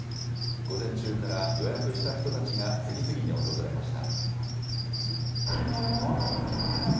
午前中から予約した人たちが次々に訪れました。